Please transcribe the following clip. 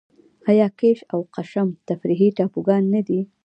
آیا کیش او قشم تفریحي ټاپوګان نه دي؟